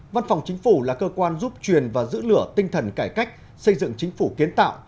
văn phòng chính phủ là cơ quan giúp truyền và giữ lửa tinh thần cải cách xây dựng chính phủ kiến tạo